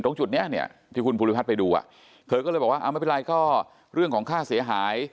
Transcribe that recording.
ตรงจุดนี้เนี่ยที่คุณภูริพัฒน์ไปดูอ่ะเธอก็เลยบอกว่าไม่เป็นไรก็เรื่องของค่าเสียหาย